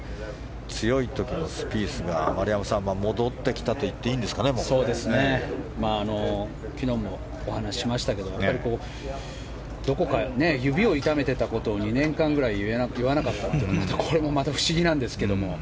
強い時のスピースが丸山さん、戻ってきたと言って昨日もお話ししましたけど指を痛めていたことを２年間くらい言わなかったのもまたこれも不思議なんですけども。